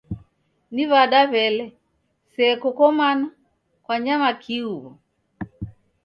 Ni wada wele, se koko mana kwanyama kii huwo?